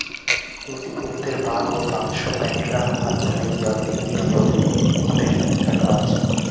মতি কুমুদের বাগ ও বাক্স প্যাটরা হাতড়াইয়া দেখিয়া বলিল, মোটে সাত টাকা আছে।